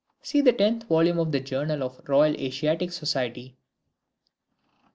[See the tenth volume of the "Journal of the Royal Asiatic Society."